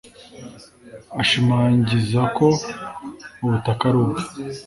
Ashimangiza ko ubutaka ari ubwe